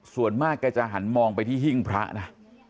ส่วนมากแกจะหันมองไปที่หิ้งพระนะ